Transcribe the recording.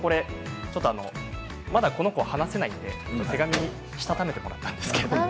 まだ、この子は話せないので手紙にしたためてもらいました。